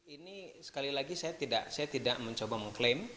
ini sekali lagi saya tidak mencoba mengklaim